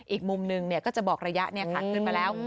อีกมุมหนึ่งก็จะบอกระยะขึ้นมาแล้ว